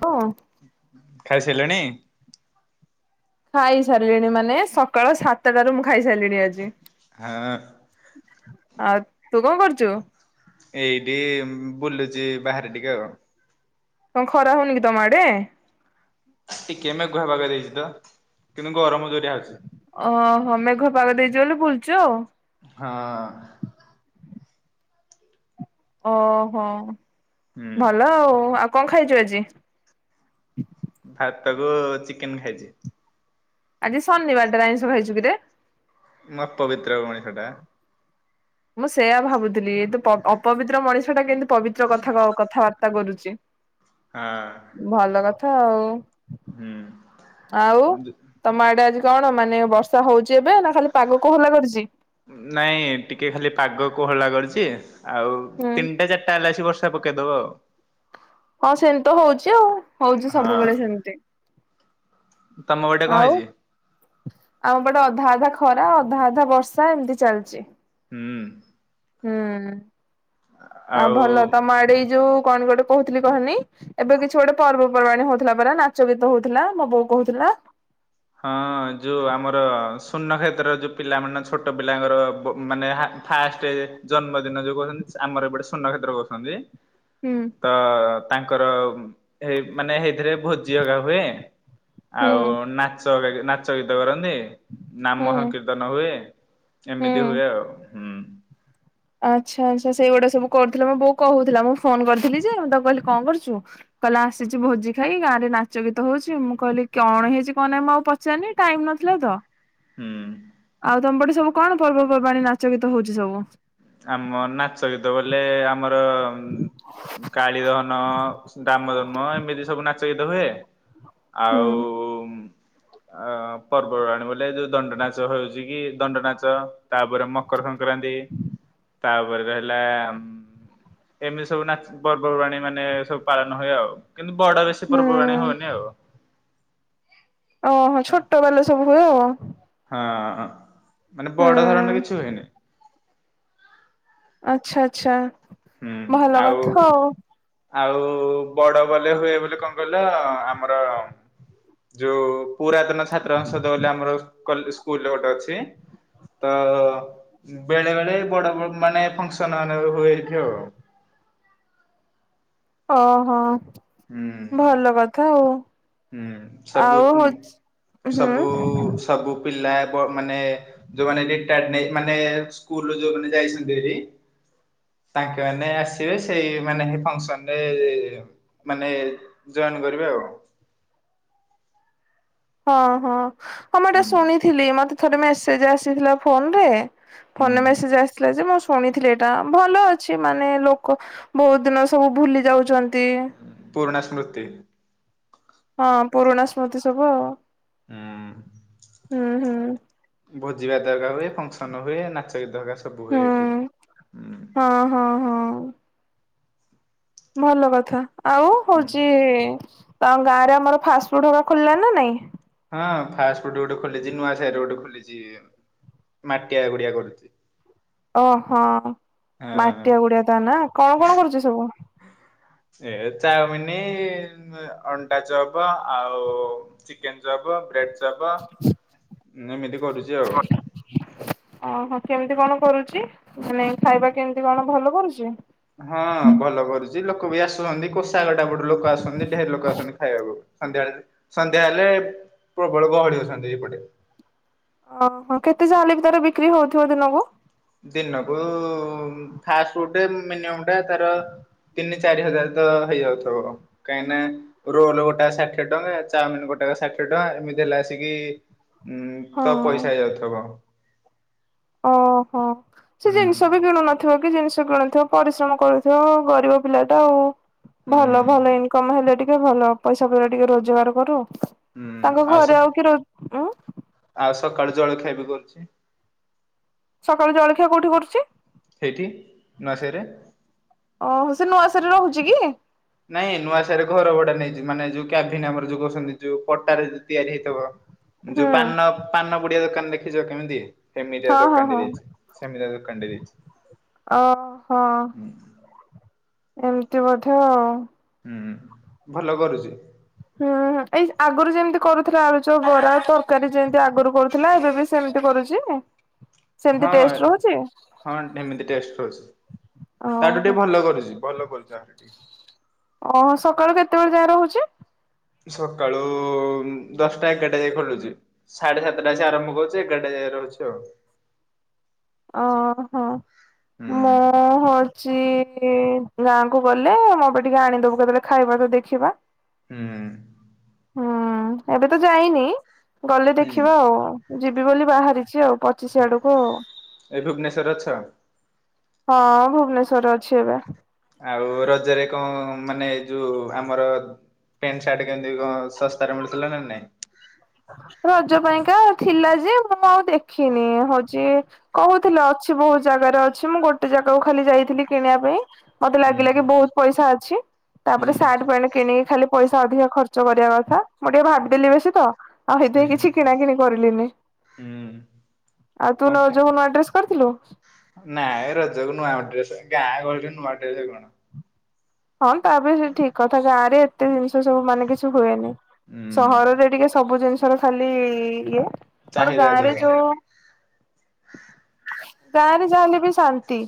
Hello. ଖାଇସାରିଲେଣି? ଖାଇ ସାରିଲିଣି ମାନେ ସକାଳ ସାତଟାରୁ ମୁଁ ଖାଇସାରିଲିଣି ଆଜି। ହଁ। ଆଉ ତୁ କଣ କରୁଚୁ? ଏଇଠି ବୁଲୁଚି ବାହାରେ ଟିକେ ଆଉ। କଣ ଖରା ହଉନି କି ତମ ଆଡେ? ଟିକେ ମେଘୁଆ ପାଗ ଦେଇଚି ତ କିନ୍ତୁ ଗରମ ଯୋରିଆ ହଉଚି। ଓ ହଁ ମେଘ ପାଗ ଦେଇଚି ବୋଲି ବୁଲୁଚୁ ଆଉ। ହଁ। ଓ ହୋ। ହୁଁ ଭଲ ଆଉ ଆଉ। କଣ ଖାଇଚୁ ଆଜି? ଭାତକୁ ଚିକେନ ଖାଇଛି। ଆଜି ଶନିବାରଟା ଆଇିଷ ଖାଇଛୁ କିରେ ମୁଁ ଅପବିତ୍ର ମଣିଷଟା ମୁଁ ସେଇୟା ଭାବୁଛିି ଥିଲ ଅପବିତ୍ର ମଣିଷ ଟା କିନ୍ତୁ ପବିତ୍ର କଥା କଥାବାର୍ତ୍ତା କରୁଛି। ହଁ ଚି ଭଲ କଥା ଆଉ। ହୁଁ। ଆଉ ତମଆଡେ ଆଜି? କଣ ମାନେ ବର୍ଷା ହଉଛି? ଯେବେ ନା ଖାଲି ପାଗ କୋହଲା କରିଛି। କୋହଳା କରିଛି ଆଉ ହୁଁ ତିନିଟା ଚାରିଟା ହେଲା ଆସ ବର୍ଷ ପକେଇଦବ ଆଉ। ହଁ ସେମିତି ତ ହଉଛି ଆଉ। ହଉଛି ହଁ ସବୁବେଳେ ସେମିତି। ତମ ଗୋଟେ କଣ ହେଇଛି ଅଧାଧା ଖରା ଅଧାଧା ବର୍ଷା ଏମିତି ଚାଲିଛି। ହୁଁ। ହୁଁ। ଆ ଭଲ ଆଉ ତମ ଆଡେଇ ଯୋଉ କଣ ଗୋଟେ କହୁଥିଲି କହନି ଏବେ କିଛି ଗୋଟେ ପର୍ବ ର୍ବାଣୀ ହଉଥିଲା ପରା ନାଚ ଗୀତ ହଉଥିଲା ମୋ ବୋଉ କହୁଥିଲା। ହଁ ଯୋଉ ଆମର ଶୂନ୍ୟକ୍ଷେତ୍ର ଯୋଉ ପିଲା ମାନ ଛୋଟ ପିଲାଙ୍କର ମାନେ ଫାଷ୍ଟ ଜନ୍ମଦିନ ଯୋଉ କହୁଛନ୍ତି ଆମର ଏ ଗୋଟେ ଶୂନ୍ୟକ୍ଷେତ୍ର କହୁଛନ୍ତି। ହୁଁ ତ ତାଙ୍କର ଏ ମାନେ ଏଇଥିରେ ଭୋଜି ଅଗା ହୁଏ। ହୁଁ ଆଉ ନାଚ ନାଚଗୀତ କରନ୍ତି ନାମ ହୁଁ ସଂକୀର୍ତ୍ତନ ହୁଏ। ଏମିତି ହୁଁ। ହୁଏ ଆଉ। ହୁଁ ଆଚ୍ଛା ଆଚ୍ଛା ସେଇଗୁଟା ସବୁ କରୁଥିଲେ ମୁ ବୋଉ କହୁଥିଲା ମୁଁ ଫୋନ କରିଥିଲି ଯେଁ ତ କହିଲି କଣ କରୁଛୁ କହିଲେ ଆସିଛି ଭୋଜି ଖାଇ ଗାଁ ରେ ନାଚ ଗୀତ ହଉଛି ମୁଁ କହିଲି କଣ ହେଇଛି କଣ ନାହିଁ ମୁଁ ଆଉ ପଚାରନି ଟାଇମ ନଥିଲା ତ। ହୁଁ। ଆଉ ତମପଟେ ସବୁ କଣ ପର୍ବପର୍ବାଣି ନାଚ ଗୀତ ହଉଛି ସବୁ। ଆମ ନାଚ ଗୀତ ବୋଲେ ଆ ଆମର କାଳିଦହନ ରାମ ଧନ୍ମ ଏମିତି ସବୁ ନାଚ ଗୀତ ହୁଏ। [inaudible] ହୁଁ ଆଉ ଅ ପର୍ବରୁ ଆଣ ବଲେ ଏ ଯୋଉ ଦଣ୍ଡନାଚ ହଉଛି କି ଦଣ୍ଡନାଚ ତାପରେ ମକର ସଂ ସଂକ୍ରାନ୍ତି ତାପରେ ରହିଲା ଏମିତି ସବୁ ନାଚ ପର୍ବପର୍ବାଣୀ ମାନେ ସବୁ ପାଳନ ହୁଏ ଆଉ। କିନ୍ତୁ ବଡା ବେଶୀ ପର୍ବପର୍ବାଣି ହୁଁ। ହୁନି ଆଉ। ଓହୋ ଛୋଟ ବାଲା ସବୁ ହୁଏ ଆଉ। ହଁ। ମାନେ ବଡ ଧରଣ ହୁଁ କିଛି ହୁଏନି। ଆଛା ଆଛା। ହୁଁ ଭଲ ଆଉ କଥା ହଉ। ଆଉ ବଡ ବଲେ ହୁଏ ବୋଲି କଣ କହିଲ ଆମର ଯୋଉ ପୁରାତନ ଛାତ୍ର ସଂଂସଦ ବୋଲି ଆମର ସ୍କୁଲ ଗୋଟେ ଅଛି ତ ବେଳେ ବେଳେ ବଡ ମାନେ ଫଙ୍କସନ ମାନେ ହୁଏ। ଦେଖ ଓହୋ। ଭଲ କଥା ହଉ। ହୁଁ ସବୁ ହୁଁ ସବୁ ସବୁ ପା ମାନେ ଯୋଉ ମାନଉ ଯାଇଛନ୍ତି ତାଙ୍କ ଆସିବେ ସୋନ କରେ ଆଉ ହଁ ହଁ। ଆଁ ମୁ ଏଟେ ହୁଁ ଶୁଣିଥିଲି ମତେ ଥରେ ମେସେଜ ଆସିଥିଲା ଫୋନ ରେ ଫୋନ ହୁଁ ମେସେଜ ଆସିଥିଲା ଯେ ଶୁଣିଥିଲି ଏଇଟା ଭଲ ଅଛି ମାନେ ଲୋକ ବହୁତ ଦିନ ସବୁ ଭୁଲି ଯାଉଛନ୍ତି। ପୂର୍ଣ ସ୍ମୃତି ହଁ ପୁରୁଣା ସ୍ମୃତି ସବୁ ଆଉ। ହୁଁ ହୁଁ ହୁଁ। ଭୋଜିବା ଦରକାର ହୁଏ ଫଙ୍କସନ ହୁଏ ନାଚ ଗୀତ ଦରକାର। ହୁଁ ହଁ ହଁ ହଁ। ଭଲ କଥା। ଆଉ ହୁଁ। ହଉଛି। ତ ଗାଁରେ ଆମର ଫାଷ୍ଟଫୁଡ ଖୋଲିଲା ନା ନାଇଁ ହଁ ଫାଷ୍ଟ ଫୁଡ ଗୋଟେ ଖୋଲିଛି ନୂଆ ସରେ ଗୋଟେ ଖୋଲିଛି ମାଟିଆ ଗୁଡିଆ କରୁଛି। ଓହୋ ହଁ ମାଟିଆ ଗୁଡିଆ ତ ନା କଣ କଣ କରୁଛି ସବୁ ଏ ଚାଉମିନ ଅଟା ଚବ ଆଉ ଚିକେନ୍ ଚାପ ବ୍ରେଡ ଦବ ଏମିତି ପଡୁଚି ଆଉ। କେମତି କଣ କରୁଚି ମାନେ ଖାଇବା କେମତି କଣ ଭଲ କରୁଚି? ହଁ ଭଲ କରୁଚି ଲୋକ ବି ଆସୁଚନ୍ତି। କ ଚାଗଟା ବଟୁରୁ ଲୋକ ଆସୁଚନ୍ତି। ଢେର ଲୋକ ଆସୁଚନ୍ତି ଖାଇବାକୁ। ସନ୍ଧ୍ୟାବେଳେ ସନ୍ଧ୍ୟା ହେଲେ ପ୍ରବଳ ଗହଳି ହଉଚନ୍ତି ଏପଟେ। ଓହୋ କେତେ ଚାହାଲେ ବି ତାର ବିକ୍ରି ହଉଥିବ ଦିନକୁ? ଦିନକୁ ଫାଷ୍ଟ ଫୁ ମିନିମ ଟା ତାର ତିନି ଚାରି ହଜାର ତ ହେଇଯାଉଥିବ। କାହିଁକିନା ରୋଲ ଗୋଟା ଷାଠିଏ ଟଙ୍କା ଚାଉମିନ ଗୋଟାକ ଷାଠିଏ ଟଙ୍କା ଏମିତି ହେଲେ ଆସିକି ଉଁ ତ ହଁ ପଇସା ହେଇଯାଉଥିବ। ଓହୋ। ସେ ଜିନିଷ ବି କିଣୁ ନଥିବ। ଜିନିଷ କିଣୁଥିବ ପରିଶ୍ରମ କରୁଥିବ ଗରିବ ପିଲା ଟା ଆଉ। ହୁଁ। ଭଲ ଭଲ ଇନକମ ହେଲେ ଟିକେ ଟିକେ ଭଲ ପଇସା ପତର ଟିକେ ରୋଜଗାର କରୁ। ହୁଁ ତାଙ୍କ ସ ଘରେ ଆଉ କିଏ ରହୁ ଉଁ ସକାଳୁ ଜଳଖିଆ ବି କରୁଚି। ସକାଳୁ ଜଳଖିଆ କୋଉଠି କରୁଚି? ସେଇଠି ନୁଆସାହିରେ। ଓହୋ ସେ ନୁଆସାହିରେ ରହୁଚି କି? ନାଇଁ ନୁଆସାହିରେ ଘର ଭଡା ନେଇଚି ମାନେ ଯଉ କ୍ୟାଭିନ୍ ଆମର ଯଉ କହୁଚନ୍ତି ଯୋଉ ପଟାରେ ତିଆରି ହେଇଥିବ। ହୁଁ ଯଉ ପାନ ପାନ ପ ପୁଡିଆ ଦୋକାନ ଦେଖିଚ କେମିତି? ସେମିତି ଆ ହଁ ହଁ ଦୋକାନ ଟେ ହଁ। ଦେଇଚି ସେମିତି ଆ ଦୋକାନ ଟେ ଦେଇଚି ଓହୋ ଉଁ। ତି ବୋଧେ ଆଉ। ହୁଁ ଭଲ କରୁଚି। ହୁଁ ହୁଁ ଏଇ ଆଗରୁ ଯେମିତି କରୁଥିଲା ଆଳୁଚପ, ବରା ତରକାରୀ ଯେମତି ଆଗରୁ କରୁଥିଲା ଏବେ ବି ସେମିତି କରୁଚି? ହଁ ହଁ ଏମିତି ଟେଷ୍ଟ ରହୁଚି। ତାଠୁ ଓହୋ ଟିକେ ଭଲ କରୁଚି ଭଲ ଭଲ ଚାହା ରେତି ଓହୋ ସକାଳୁ କେତେବେଳେ ଯାଏ ରହୁଚି? ସକାଳୁ ଦଶଟା ଏଗାରଟା ଯାଇ ଖୋଲୁଚି। ସାଢେ ସାତଟା ଆରମ୍ଭ କରୁଛି ଏଗାରଟା ଯାଇଏ ରହୁଚି ଆଉ। ଓ ହୋ। ହୁଁ ମୁଁ ହ ଚି ଗାଁ କୁ ଗଲେ ମୋ ପାଇଁ ଟିକେ ଆଣିଦବୁ କେତେବେଳେ ଖାଇବା ତ ଦେଖିବା। ହୁଁ। ହୁଁ। ଏବେ ତ ଯାଇନି ଗଲେ ହୁଁ ଦେଖିବା ଆଉ। ଯିବି ବୋଲି ବାହାରିଚି ଆଉ। ପଚିଶି ଆଡକୁ ଆଉ ଏ ଭୁବନେଶ୍ୱରେ ଅଛ? ହଁ ଭୁବନେଶ୍ୱରରେ ଅଛି ଏବେ। ଆଉ ରଜରେ କଣ ମାନେ ଯଉଁ ଆମର ପେଣ୍ଟ ସାର୍ଟ କେମିତି କଣ ଶସ୍ତାରେ ମିଳୁଥିଲା ନା ନାଇଁ? ରଜ ପାଇଁକା ଥିଲା ଯେ ମୁଁ ଆଉ ଦେଖିନି ହଉଛି କହୁଥିଲ ଅଛି ବହୁତ ଜାଗାରେ ଅଛି ମୁଁ ଗୋଟେ ଜାଗାକୁ ଖାଲି ଯାଇଥିଲି କିଣିବା ପାଇଁ ମତେ ହୁଁ ଲାଗିଲାଗି ବହୁତ ପଇସା ଅଛି ତାପରେ ହୁଁ ସାର୍ଟ ପ୍ୟାଣ୍ଟ କିଣିକି ଖାଲି ପଇସା ଅଧିକ ଖର୍ଚ୍ଚ କରିବା କଥା। ମୁଁ ଟିକେ ଭାବି ଦେଲି ବେଶି ତ ଆଉ ହୁଁ ସେଥିପାଇଁ କିଛି କିଣା କିିଣି କରିଲନି ହୁଁ ଆଉ ଯୋଉ ନୁଆ କରିଥିଲୁ? ନାହିଁ ରଜକୁ ନୂଆ ଡ୍ରେସ ଗାଁ ଗହଳିରେ ନୂଆ ଡ୍ରେସ କଣ ହଁ ତାପରେ ବି ସେ ଠିକ କଥା ଗାଁ ରେ ତେଇସ ସବୁ ମାନେ କିଛି ହୁଏନି ହୁଁ ସହରରେ ଟିକେ ସବୁ ଜିନିଷ ଧର ଖାଲି ଇଏ ଗୋଟେ ଚାହିଦା ଗାଁରେ ଅଧିକ ଯୋଉ ଗାଁରେ ଜା ହେଲିବି ଶାନ୍ତି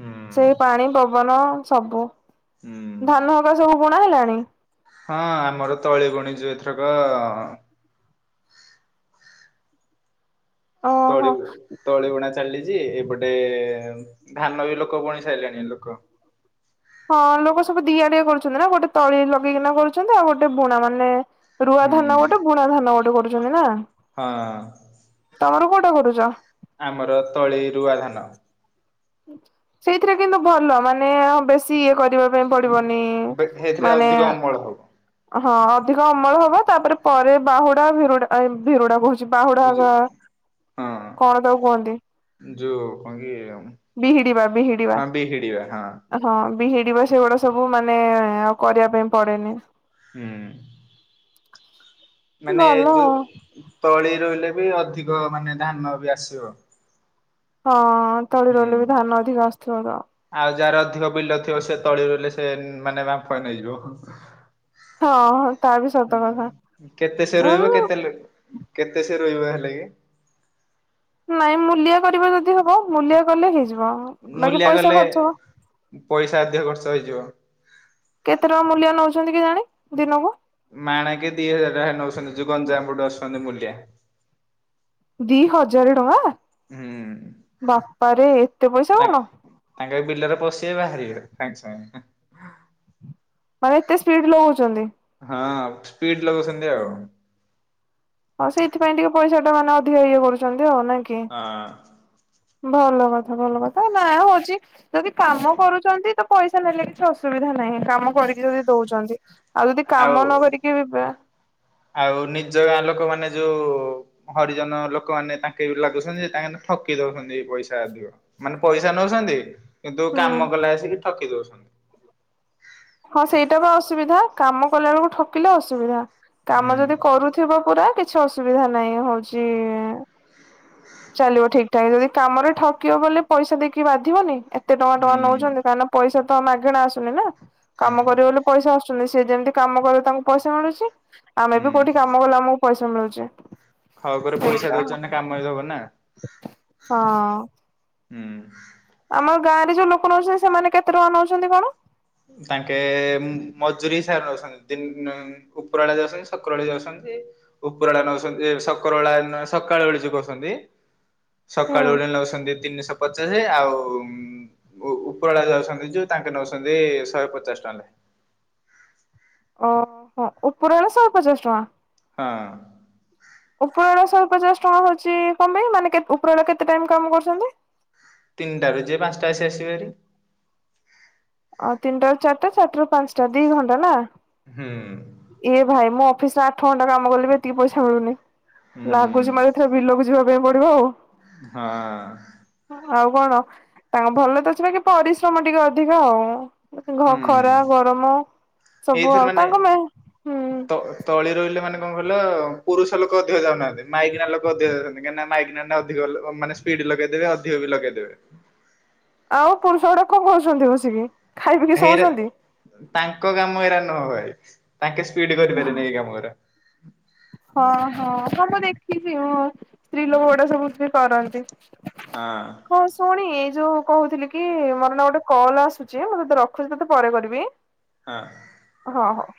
ହୁଁ ସେ ପାଣି ପବନ ସବୁ ହୁଁ ଧାନ ହବା ସବୁ ବୁଣା ହେଲାଣି ହଁ ଆମର ତଳି ବୁଣିଚୁ ଏଥରକ ଓହୋ ତଳି ତଳିବୁଣା ଚାଲିଛି ଏପଟେ ଧାନ ବି ଲୋକ ବୁଣି ସାରିଲାଣି ଲୋକ ହଁ ଲୋକ ସବୁ ଦିଆଡିଆ କରୁଛନ୍ତି ନା ଗୋଟେ ତଳି ଲଗେଇକିନା କରୁଛନ୍ତି ଆଉ ଗୋଟେ ବୁଣା ମାନେ ରୁଆ ହୁଁ ଧାନ ଗୋଟେ ବୁଣା ଧାନ ଗୋଟେ କରୁ ଜମି ନା ହଁ। ତମର କୋଉଟା କରୁଛ? ଆମର ତଳି ରୁଆ ଧାନ ସେଇଥିରେ କିନ୍ତୁ ଭଲ ମାନେ ବେଶୀ ଇଏ କରିବା। ପେଇଁ ପଡିବନି ସେଇଥିରେ ମାନେ ଅଧିକ ଅମଳ ହବ ହଁ ଅଧିକ ଅମଳ ହବ ତାପରେ ପରେ ବାହୁଡା ଭିରୁଡା ଉମ୍ ଭିରୁଡା କହୁଛି। ବାହୁଡା ଅଜଃ କଣ ତାକୁ କୁହନ୍ତି ହଁ ଯୋଉ କଂକି ବିହିଡିବା ବିହିଡିବା ହଁ ବିହିଡିବ ସେଗୁଡା ସବୁ ମାନେ ଆଉ କରିବା ପାଇଁ ପଡେନି ହୁଁ। ମାନେ ଭଲ ଯୋଉ ତଳି ରହିଲେ ବି ଅଧିକ ମାନେ ଧାନ ବି ଆସିବ ହଁ ତଳି ରହିଲେ ବି ହୁଁ ଧାନ ଅଧିକ ଆସୁଥିବ ତ ଆଉ ଯାହାର ଅଧିକ ବିଲ ଥିବ ସେ ତଳି ରହିଲେ ସେ ମାନେ ବାମ୍ଫ ନେଇଯିବ। ହଁ ତା ବି ସତ ହୁଁ କଥା କେତେ ସେ ରହିବ ଉଁ କେତେ କେତେ ସେ ରହିବ ହେଲା କି ନାଇଁ ମୁୂଲିଆ କରିବା ଯଦି ହବ ମୁୂଲିଆ କଲେ ହେଇଯିବ ବାକି ମୂଲିଆ ପଇସା କଲେ ଖର୍ଚ୍ଚ ହବ। ପଇସା ଅଧିକ ଖର୍ଚ୍ଚ ହେଇଯିବ କେତେ ଟଙ୍କା ମୂଲିଆ ନଉଛନ୍ତି କେଜାଣି ଦିନକୁ ମାଣେ କେ ଦି ହଜାର ଟଙ୍କା ନଉଛନ୍ତି ଯୋଉ ଗଞ୍ଜାମରୁ ଡ଼ସ କନ୍ତିମୂଲ୍ୟା ଦି ହଜାର ଟଙ୍କାହାଃ ବାପାରେ ଏତେ ପଇସା ତା କଣ ତାଙ୍କେ ବିଲରେ ପଶିବେ ବାହାରିବେ ସାଙ୍ଗ ସାଙ୍ଗ ହୂଂ ମାନେ ଏତେ ସ୍ପିଡ୍ ଲଗଉଛନ୍ତି ଆଉ ସ୍ପିଡ୍ ଲଗେଇଛନ୍ତି ଆଉ। ହଉ ସେଇଥିପାଇଁ ଟିକେ ପଇସା ଟା ମାନେ ଅଧିକ ଇଏ କରୁଛନ୍ତି। ଆଉ ନା କି? ହଁ। ଭଲ କଥା ଭଲ କଥା ନା ହଉଛି ଯଦି କାମ କରୁଛନ୍ତି ତ ପଇସା ନେଲେ କିଛି ଅସୁବିଧା ନାହିଁ। କାମ କରିକି ଯଦି ଦଉଛନ୍ତି ଆଉ ଯଦି କାମ ନ ଆଉ କରିକି ବା। ଆଉ ନିଜ ଗାଁ ଲୋକମାନେ ଯୋଉ ହରିଜନ ଲୋକମାନେ ତାଙ୍କେ ବୁ ଲାଗୁଛନ୍ତି ତାଙ୍କେ ଠକି ଦଉଛନ୍ତି ପଇସା ଅଧିକ ମାନେ ପଇସା ନଉଛନ୍ତି। କିନ୍ତ କାମ କଲେ ଆସିକି ଠକି ଦଉଛ ହଁ ସେଇଟା ବା ଅସୁବିଧା କାମ କଲା ବେଳକୁ ଠକିଲେ ଅସୁବିଧା। କାମ ହୁଁ ଯଦି କରୁଥିବ ପୁରା କି କିଛି ଅସୁବିଧା ନାହିଁ ହଉଛି ଚାଲିବ ଠିକ ଠାକ ଯଦି କାମରେ ଠକିବ ବୋଲି ପଇସା ଦେଇକି ବାଧିବନି ଏ କେତେ ଟଙ୍କା ଟଙ୍କା ହୁଁ ନଉଛନ୍ତି କାହିଁକିନା ପଇସା। ତ ମାଗେଣା ଆସୁନି ନା। ହୁଁ କାମ କରିବେ ବୋଲି ପଇସା ଆସୁଛନ୍ତିି। ଯେ ଯେମିତି କାମ କରିବ ତାଙ୍କୁ ପଇସା ମିଳୁଛି। ଆମେ ହୁଁ ବି କୋଉଠି କାମ କଲେ ଆମ ପଇସା ମିଳୁଚି। ହଉ ଘୋରେ ପଇସା ଦଉଛନ୍ତି କାମ ବି ଦବ ନା। ହଁ। ହୁଁ। ଆମ ଗାଁରେ ଯୋଉ ଲୋକ ନଉଛନ୍ତି ସେମାନେ କେତେ ଟଙ୍କା ନଉଛନ୍ତି କଣ। ତାଙ୍କେ ମଜୁୁରୀ ସାର। ଦିନ ଉପରବେଳା ଯାଉଛନ୍ତି ସକରଓଳି ଯାଉଛନ୍ତି ଉପରବେଳା ନଉଛନ୍ତି ସକରବେଳା ସକାଳ ବେଳି ଯେ କରୁଛନ୍ତି। ସକାଳୁ ହୁଁ ଉଠିଲେ ନଉସନ୍ତି। ତିନିଶହ ପଚାଶେ ଆଉ ଉ-ଉ-ଉପରବେଳା ଯାଉଛନ୍ତି ଯୋଉ ତାଙ୍କେ ନଉଛନ୍ତି। ଛି ଶହେ ପଚାଶ ଟଙ୍କ ଲେଖେ। ଓହୋ ଉପରବେଳା ଶହେ ପଚାଶ ଟଙ୍କା। ହଁ। ଉପରବେଳା ଶହେ ପଚାଶ ଟଙ୍କା ହଉଚି କଣ ପାଇଁ ମାନେ ଉପରବେଳା କେତେ ଟାଇମ କାମ କରୁଚନ୍ତି? ତିନିଟାରୁ ଯେ ପାଞ୍ଚଟା ଆସି ଆସିବେ ଭେରି। ଆଉ ତିନିଟାରୁ ଚାରିଟା ଚାରି ଟାରୁ ପାଞ୍ଚଟା ଦି ଘଣ୍ଟା ନା? ହୁଁ। ଏ ଭାଇ ମୋ ଅଫିସରେ ଆଠ ଘଣ୍ଟା କାମ କଲେ ବି ଏତିକି ପଇସା ମିଳୁନି। ହୁଁ ଲାଗୁଚି ମତେ ଏଥର ବିଲକୁ ଯିବା ପଡିବ ଆଉ। ହଁ। ଆଉ କଣ ତାଙ୍କ ଭଲ ତ ଅଛି ବାକି ପରିଶ୍ରମ ଟିକେ ଅଧିକ ଆଉ। ଖରା ହୁଁ ଗରମ ସବୁ ଏଇଥର ଆଉ ମାନେ ତାଙ୍କ ପାଇଁ। ତ ତଳି ରହିଲେ ମାନେ କଣ କହିଲ ପୁରୁଷ ଲୋକ ଅଧିକ ଯାଉନାହାନ୍ତି। ମାଇକିନା ଲୋକ ଅଧିକ ଯାଉନାହାନ୍ତି କାହିଁକିନା ମାଇକିନା ଅଧିକ ମାନେ ସ୍ପିଡ ଲଗେଇଦେବେ ଅଧିକ ବି ଲଗେଇଦେବେ। ଆଉ ପୁରୁଷ ଗୁଡା କଣ କରଚନ୍ତି ବସିକି? ଖାଇ ପି କିି ହେଇରା ଶୋଉଚନ୍ତି? ତାଙ୍କ କାମ ଏରା ନୁହଁ ଭାଇ। ତାଙ୍କେ ସ୍ପିଡ କରିପାରିବେନି ଏଇ କାମଗୁଡା। ହଁ ହଁ ହ ମୁଁ ଦେଖି ଚି। ସ୍ତ୍ରୀ ଲୋକ ଗୁଡା ଏ ସବୁ ବି କରନ୍ତି। ହଁ ହଁ ଶୁଣି ଯଉ କହୁଥିଲି କି ମୋର ନାଁ ଗୋଟେ କଲ ଆସୁଚି ମୁଁ ତୋତେ ରଖୁଚି ତତେ ପରେ କରିବି। ହଁ। ହଁ ହଁ।